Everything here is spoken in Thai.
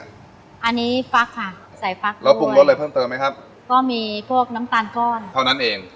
อันนี้ฟักค่ะใส่ฟักแล้วปรุงรสอะไรเพิ่มเติมไหมครับก็มีพวกน้ำตาลก้อนเท่านั้นเอง